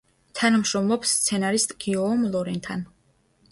თანამშრომლობს სცენარისტ გიიომ ლორენთან.